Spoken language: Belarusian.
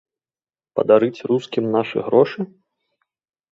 Падарыць рускім нашы грошы?